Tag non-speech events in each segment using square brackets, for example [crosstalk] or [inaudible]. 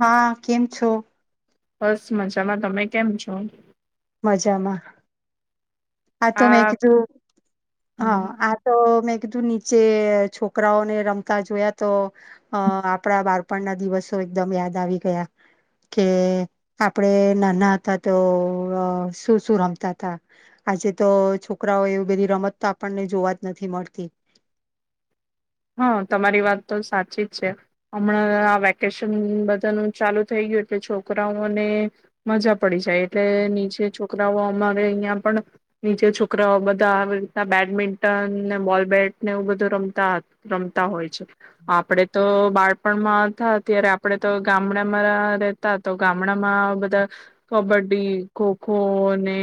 હા. કેમ છો? બસ મજામાં તમે કેમ છો? મજામાં. આ તો મેં કીધું હા આ તો મે કીધું નીચે છોકરાઓને રમતા જોયા તો અ આપણા બાળપણ ના દિવસો એકદમ યાદ આવી ગયા કે આપડે નાના હતા તો, શું શું રમતા તા આજે તો છોકરાઓ એવી બધી રમત તો આપણને જોવા જ નથી મળતી. હા તમારી વાત તો સાચી જ છે, હમણાં આ વેકેશન બધાનું ચાલુ થઈ ગયું એટલે છોકરાઓને મજા પડી જાય. એટલે નીચે છોકરાઓ અમારે અહિયાં પણ નીચે છોકરાઓ બધા રીત બેડમિન્ટન ને બોલ બેટ ને એવું બધું રમતા રમતા હોય છે. આપડે તો, બાળપણમાં હતાં ત્યારે આપણે તો ગામડામાં રહેતા તો ગામડામાં બધા કબડ્ડી ખોખો ને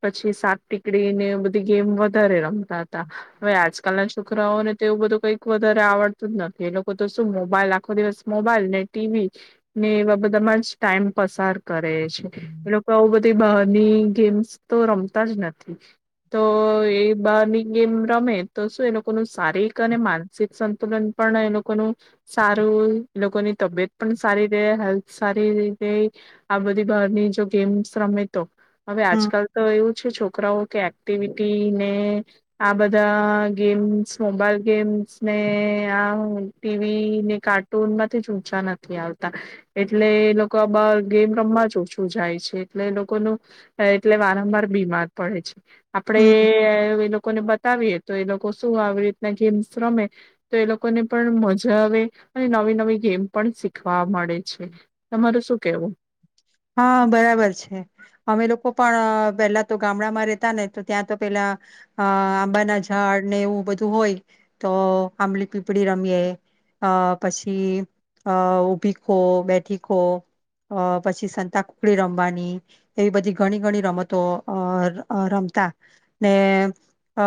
પછી સાક ટીકડી ને બધી ગેમ વધારે રમતા હતાં હવે આજકાલ ના છોકરાઓને તેવું બધું કઈક વધારે આવડતું જ નથી, એ લોકો તો શું મોબાઈલ આખો દિવસ મોબાઈલ ને ટીવી ને એવા બધામાં જ ટાઈમ પસાર કરે છે, એ લોકો આવું બધું બહારની ગેમ્સ તો રમતા જ નથી, ‌ તો એ બહારની ગેમ રમે તો શું એ લોકોનું શારીરિક અને માનસિક સંતુલન પણ એ લોકોનું સારું એ લોકોની તબિયત પણ સારી રહે હેલ્થ સારી રીતે આ બધી બહારની જો ગેમ્સ રમે તો હવે હમ આજકાલ તો એવું છે, છોકરાઓ કે એક્ટિવિટી ને આ બધાં ગેમ્સ મોબાઈલ ગેમ્સ ને આ ટીવી ને કાર્ટૂનમાંથી ઊંચા નથી આવતાં એટલે એ આ‌ લોકો બહાર ગેમ રમવા જ ઓછું જાય છે, એટલે એ લોકોનું એટલે વારંવાર બીમાર પડે છે. આપણે હમ એ લોકોને બતાવીએ તો એ લોકો શું આવી રી ના ગેમ્સ રમે તો એ લોકોને પણ મજા આવે અને નવી નવી ગેમ પણ શીખવા મળે. છે. તમારો શું કેવું હા બરાબર છે. અમે લોકો પણ પેલા તો ગામડામાં રેતા ને, તો ત્યાં તો પેલા અ આંબાના ઝાડ ને એવું બધું હોય, તો આંબલી પીપળી રમીએ, અ પછી અ ઊભી ખો, બેઠી ખો અ પછી સંતાકુકડી રમવાની, એવી બધી ઘણી ઘણી રમતો અ અ રમતા ને, અ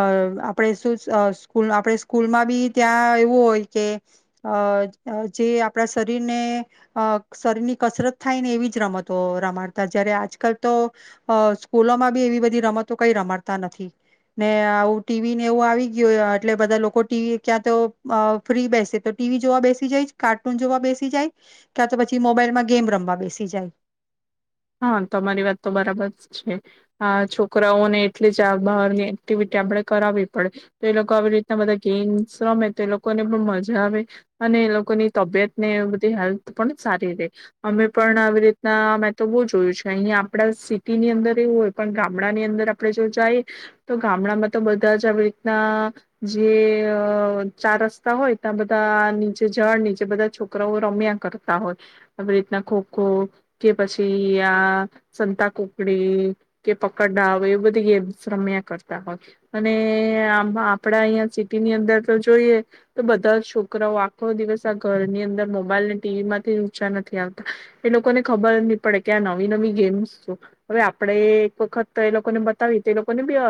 આપણે શું અ સ્કૂલ આપણે સ્કૂલમાં બી ત્યાં એવું હોય કે અ અ જે આપણા શરીરને અ શરીરની કસરત થાય ને એવી જ રમતો રમાડતા, જયારે આજકાલ તો અ સ્કૂલોમાં બી એવી બધી રમતો કઈ રમાડતા નથી. ને આવું ટીવીને એવું આવી ગયું એટલે બધા લોકો ટીવી ક્યાં તો અ ફ્રી બેસે તો ટીવી જોવા બેસી જાય, કાર્ટૂન જોવા બેસી જાય, ક્યાં તો પછી મોબાઈલમાં ગેમ રમવા બેસી જાય. હા, તમારી વાત તો બરાબર છે. આ છોકરાઓને એટલી જ આ બહારની એક્ટિવિટી આપણે કરાવવી પડે. તો એ લોકો આવી રીતના બધા ગેમ્સ રમે તો એ લોકોને પણ મજા આવે અને એ લોકોની તબિયતને બધી હેલ્થ પણ સારી રે અમે પણ આવી રીતના તો બો જોયું છે. અહીયાં આપડા સિટીની અંદર એવું હોય, પણ ગામડાની અંદર આપડે જો જાઈ તો ગામડામાં તો બધાજ આવી રીતના જે અ ચાર રસ્તા હોય, તાં બધા નીચે ઝાડ નીચે બધા છોકરાઓ રમ્યા કરતા હોય, આવી રીતના ખો ખો કે પછી આ સંતાકુકડી કે પકડદાવ, એવી બધી ગેમ્સ રમ્યા કરતા હોય. અને આ આપડા અહીંયા સિટીની અંદર તો જોઈએ તો બધા છોકરાઓ આખો દિવસ આ ઘરની અંદર મોબાઈલને ટીવી માંથી જ ઊંચા નથી આવતા એ લોકોને ખબર જ ની પડે કે આ નવી નવી ગેમ્સઓ, હવે આપડે એક વખત એ લોકોને બતાવીએ, તો એ લોકોને બી અ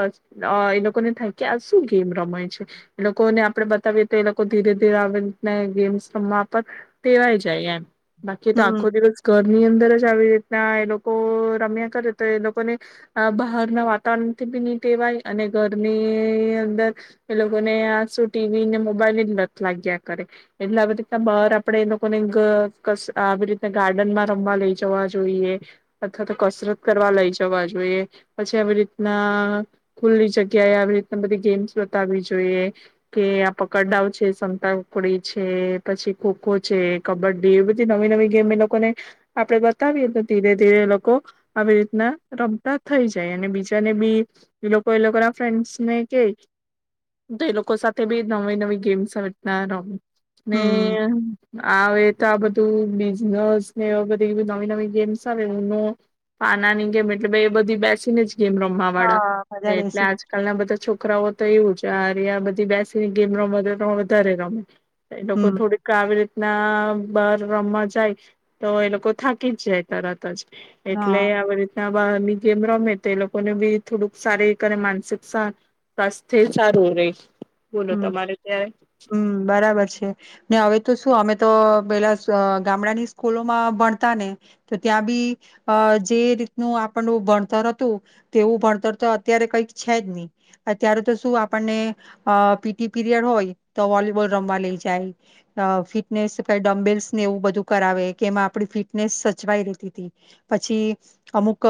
અ એ લોકોને થાય કે આ શું ગેમ રમાય છે. એ લોકોને આપડે બ તાવીયે તો એ લોકો ધીરે ધીરે આવી રીતના ને ગેમ્સ રમવા પર ટેવાય જાય એમ બાકી એ તો હમ આખો દિવસ ઘરની અંદર જ આવી રીતના એ લોકો રમ્યા કરે, તો એ લોકોને અ બહારના વાતાવરણથી બી ની ટેવાય અને ઘરની અંદર એ લોકોને આ શું ટીવી ને મોબાઈલ ની જ લત લાગ્યા કરે. એટલે આવી રીતના બહાર આપડે એ લોકોને ઘ કસ આવી રીતના ગાર્ડનમાં રમવા લઈ જવા જોઈએ, અથવા તો કસરત કરવા લઈ જવા જોઈએ, પછી આવી રીતના ખુલ્લી જગ્યાએ આવી રીતના બધી ગેમ્સ બતાવવી જોઈએ, કે આ પકડદાવ છે, સંતાકૂકડી છે, પછી ખોખો છે, કબડ્ડી એ બધી નવી નવી ગેમ એ લોકોને આપડે બતાવીએ, તો ધીરે ધીરે એ લોકો આવી રીતના રમતા થઈ જાય અને બીજાને બી એ લોકો એ લોકો ના ફ્રેન્ડસ ને કેય, તો એ લોકો સાથે બી નવી નવી ગેમ્સ ને હમ આવે તો આ બધું બિઝનેસને આ એવી નવી નવી ગેમ્સ આવે ઉનો પાનાની ગેમ એટલે એ બધી બેસીને જ ગેમ રમવાવાળા હા બધા એટલે બેસી આજકાલના બધા છોકરાઓ તો એવુંજ [unintelligible] આ બધી બેસીને ગેમ રમે તો તો વધારે ગમે. એ લોકો હમ થોડીક આવી રીત ના બાર રમવા જાય તો એ લોકો થાકી જ જાય તરત. એટલે હા આવી રીત ઘરના બહારની ગેમ રમે તો એ લોકોને બી થોડુંક શારીરિક અને માનસિક સા સ્વાસ્થ્ય સારું રે. બોલો હમ્મ તમારે ત્યારે હમ બરાબર છે ને હવે તો શું અમે તો પેલા સ અ ગામડાની સ્કૂલોમાં ભણતાને તો ત્યાં બી અ જે રીતનું આપણુ ભણતર હતું તેવું ભણતર તો અત્યારે કઈક છે જ ની અત્યારે તો શું આપણને અ પીટી પીરિયડ હોય તો વોલીબોલ રમવા લઈ જાય અ ફિટનેસ ક ડમ્બેલ્સને એવું બધું કરાવે કે એમાં આપણી ફિટનેસ સચવાઈ રહેેતી પછી અમુક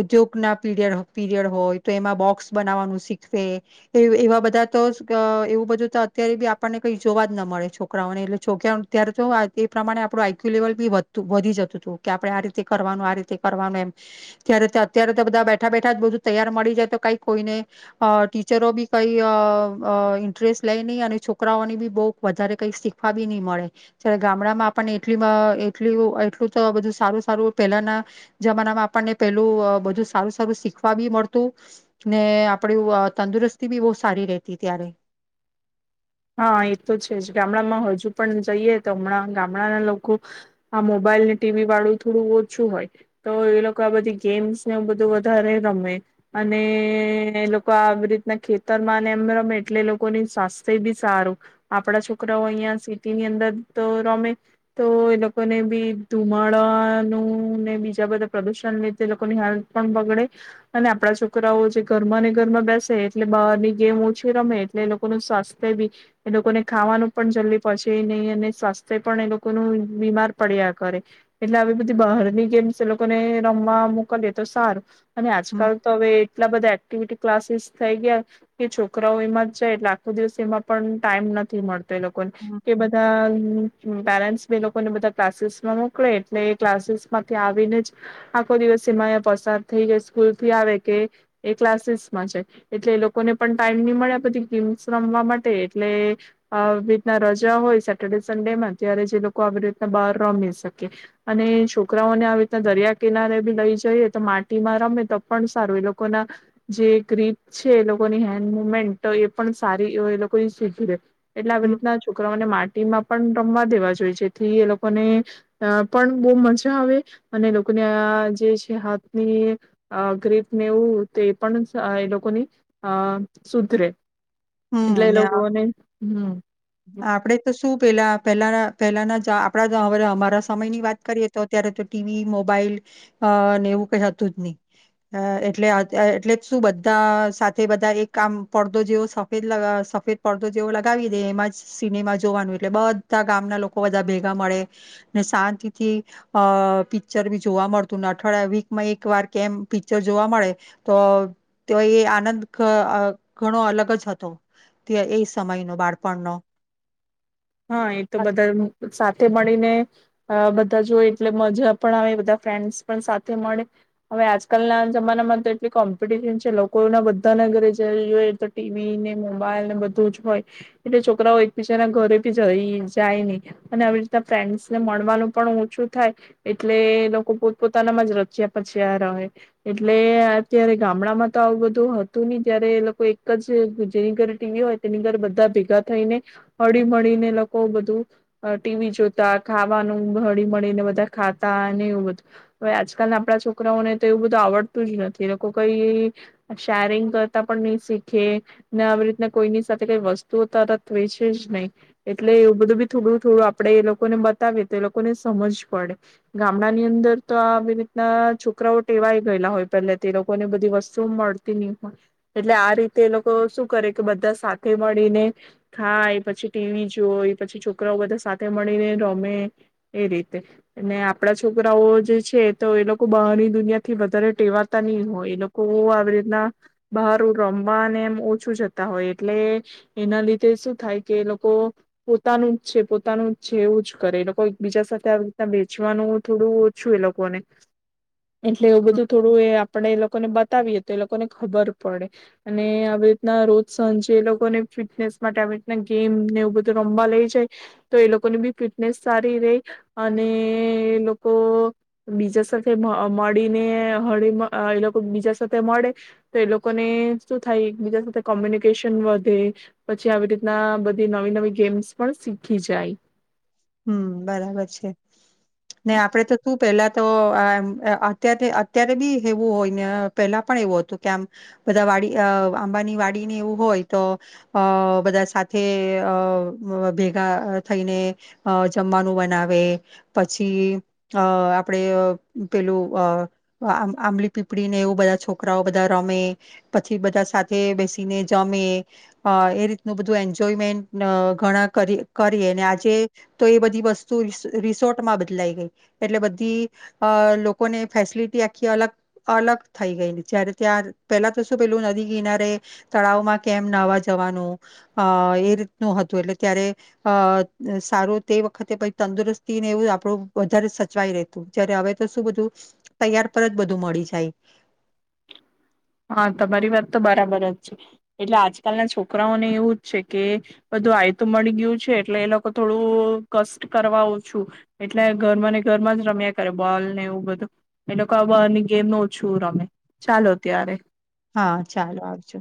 ઉદ્યોગના પીરયડ પીરિયડ હોય તો એમાં બોક્સ બનાવવાનું શીખવે એ એવા બધા તોજ અ એવું બધું તો અત્યારે બી આપણને કઈ જોવા જ ન મળે છોકરાઓને એટલે છોકરાઓ ત્યારે તો એ પ્રમાણે આપણું આઈક્યુ લેવલ બી વધતું વધી જતું તું કે આપણે આ રીતે કરવાનું આ રીતે કરવાનું એમ ત્યારે અત્યારે તો બધા બેઠા-બેઠા જ બધું તૈયાર મળી જાય તો કઈ કોઈને ટીચરો બી કઈ અ ઇન્ટરેસ્ટ લઈ નહી અને છોકરાઓની બી બહું વધારે કઈ શીખવા બી ની મળે જ્યાં ગામડામાં આપણને એટલી એટલુ એટલું તો બધું સારું સારું પેલાના જમાનામાં આપણને પેલું અ બધું સારું સારું શીખવા બી મળતું ને આપડું અ તંદુરસ્તી બી બો સારી રેતી. કે ત્યારે હા એ તો છે જ ગામડામાં હજુ પણ જઈએ તો હમણાં ગામડાના લોકો આ મોબાઈલ ને ટીવી વાળું થોડું ઓછું હોય તો એ લોકો આ બધી ગેમ્સને બધું વધારે રમે અને એ લોકો આવી રીતના ખેતરમાં ને એમ રમે એટલે એ લોકોની સા તે બી સારું આપડા છોકરાઓ અહિયાં સિટીની અંદર તો રમે તો એ લોકોને બી ધુમાડાનું ને બીજા બધા પ્રદુષણ લીધે લોકોની હેલ્થ પણ બગડે અને આપડા છોકરાઓ જે ઘરમાં ને ઘરમાં બેસે એટલે બહારની ગેમ ઓછી રમે એટલે એ લોકોનું સ્વાસ્થ બી એ લોકોને ખાવાનું પણ જલ્દી પચે નહી અને સ્વાસ્થ્ય પણ એ લોકોનું બીમાર પડ્યા કરે એટલે આવી બધી બહારની ગેમ્સ એ લોકોને રમવા મોકલીએ તો સારું. અને હમ આજકાલ તો હવે એટલા બધા એક્ટિવિટી ક્લાસીસ થઈ ગયા કે છોકરાઓ એમાં જાય એટલે આખો દિવસ તેમાં પણ ટાઈમ નથી મળ તો લોકો કે હમ. બધા પેરેન્ટ્સ એ લોકોને બધા ક્લાસીસમાં મોકલે એટલે એ ક્લાસીસ માંથી આવીને જ આખો દિવસ એમાં એ પસાર થઈ જય સ્કૂલથી આવે કે એ ક્લાસીસમાં છે એટલે એ લોકોને પણ ટાઈમની મળે આ બધી ગેમ્સ રમવા મટે એટલે આવી અ રીતના રજા હોય સેટરડે સન્ડેમાં ત્યારે જે લોકો આવી રીતના બહાર રમી શકે અને છોકરાઓને આવી રીતના દરિયા કિનારે બી લઈ જઈએ તો માટીમાં રમે તો પણ સારું એ લોકો ના જે ગ્રીપ છે એ લોકોની હેન્ડ મુવમેન્ટ એ પણ સારી એઓ એ લોકોએ શીખી દે. એટલે આવી હમ રીતના છોકરાઓને મા માટીમાં પણ રમવા દેવા જોઈએ જેથી એ લોકોને અ પણ બોવ મજા આવે અને એ લોકોને આ જે છે હાથની અ ગ્રીપ ને એવું તે પણ એ લોકોની અ સુધરે. એટલે હમ એ ને આ લોકોને હમ આપડે તો શું પેલા પેલા પેલાના આપડા [unintelligible] અમારા સમયની વાત કરીએ તો અત્યારે તો ટીવી મોબાઈલ અ અને એવું કઈ હતું જ ની અ એટલે અત્ એટલે જ શું બધા સાથે બધા એક કામ પડદો જેવો સંભ સફેદ પડદો જેવો લગાવી દે એમાં જ સિનેમા જોવાનું એટલે બધા ગામના લોકો બધા ભેગા મળે ને શાંતિથી અ પિક્ચર બી જોવા મળતું ને અઠવાડિયામાં વીકમાં એક વાર કેમ પિક્ચર જોવા મળે તો તે એ આનંદ ઘણો અલગ જ હતો. તો એ સમય ન બાળપણનો હા એ તો બધાનું સાથે મળીને અ બધા જોય એટલે મજા પણ આવે બધા ફ્રેન્ડ્સ પણ સાથે મળે હવે આજકાલ ના જમાનામાં તો એટલી કોમ્પિટિશન છે લોકોના બધાના ઘરે જ જોઈ તો ટીવી ને મોબાઈલ ને બધું જ હોય એટલે છોકરાઓ એકબીજાના ઘરે જય જાય ને અને આવી રીતના ફ્રેન્ડસ ને મળવાનું પણ ઓછું થાય એટલે એ લોકો પોતપોતાનામાં જ રચ્યા પચ્યા રહે એટલે અત્યારે ગામડામાં તો આવું બધું હતું નહી ત્યારે એ લોકો એક જ જેની ઘર ટીવી હોય તેની ઘર બધા ભેગા થઈ ને હળીમળીને એલોકો બધું ટીવી જોતા ખાવાનું હળી મળીને બધા ખાતા એવું બધું હવે આજકાલ ના આપડા છોકરાઓને તો એવું બધું આવડતું જ નથી લોકો કઈ શેરિંગ કરતા પણ નહી શીખે ને આવી રીતના કોઈની સાથે કઈ વસ્તુઓ તરત વેચે જ નહી. એટલે એવું બધું બી થોડું થોડું આપડે એ લોકોને બતાવીએ તો એ લોકોને સમજ પડે ગામડા ની અંદર તો આ આવી રીતના છોકરાઓ ટેવાય ગયેલા હોય પેલા તો એ લોકોને બધી વસ્તુ મળતી નહી હોય એટલે આ રીતે એ લોકો શું કરે કે બધા સાથે મળીને ખાય એ પછી ટીવી જો જોઈ પછી છોકરાઓ બધા સાથે મળીને રમે એ રીતે અને આપડા છોકરાઓ જે છે તો એ લોકો બહારની દુનિયા થી વધારે ટેવાતા ની હોય એ લોકો આવી રીતના બહાર રમવાને એમ ઓછું જતા હોય એટલે એના લીધે શું થાય કે એ લોકો પોતાનું જ છે પોતાનું છે એવું જ કરે એ લોકો એક બીજા સાથે આવી રીતના વેચવાનું થોડું ઓછું એ લોકોને એટલે એવું બધું થોડું એ આપણે એ લોકોને બતાવીએ તો એ લોકોને ખબર પડે અને આવી રીતના રોજ સાંજે એ લોકોને ફિટનેસ માટે આવી રીતના ગેમ ને એવું બધું રમવા લઈ જાય તો એ લોકોની બી ફિટનેસ સારી રે અને એ લોકો બીજા સાથે મળીને હળી [unintelligible] એ લોકો બીજા સાથે મળે તો એ લોકોને શું થાય એક બીજા સાથે કોમ્યુનિકેશન વધે પછી આવી રીતના બધી નવી નવી ગેમ્સ પણ શીખી જાય. હમ બરાબર છે. ને આપડે તો શું પેલા તો આ અત્યારે અત્યારે બી એવું હોય ને પેલા પણ એવું હતું કે આમ બધા વાડી અ આંબાની વાડીને એવું હોય તો અ બધા સાથે અ ભેગા થઈને અ જમવાનું બનાવે પછી અ આપણેે પેલું અ આંબલી પીપળીને એવું બધા છોકરાઓ બધા રમે પછી બધા સાથે બેસીને જમે એ રીતનું બધું એન્જોયમેન્ટ ઘણા કરી કરીએ અને આજે તો એ બધી વસ્તુ રિસોર્ટમાં બદલાઈ ગઈ એટલે બધી અ લોકોને ફેસિલિટી આખી અલગ અલગ થઈ ગઈ જય્યારે ત્યાં પેલા તો શું પેલું નદી કિનારે તળાવમાં કેમ નાવા જવાનું અ એ રીતનું હતું એટલે ત્યારે અ સારું તે વખતે કંઈ તંદુરસ્તીને એવું આપણું વધારે સચવાય રેતુ જ્યારે હવે તો શું બધું તૈયાર પર જ બધું મળી જાય હા તમારી વાત તો બરાબર જ છે એટલે આજકાલના છોકરાઓને એવું જ છે કે બધું આયતું મળી ગયું છે એટલે એ લોકો થોડું કષ્ટ કરવા ઓછું એટલે ઘરમાંને ઘરમાં જ રમ્યા કરે બોલ ને એવું બધું એ લોકો આ બારની ગેમ ઓછું રમે ચાલો ત્યારે હા ચાલો આવજો.